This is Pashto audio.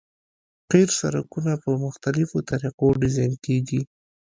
قیر سرکونه په مختلفو طریقو ډیزاین کیږي